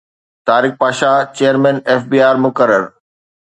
Tariq Pasha chairman F B R مقرر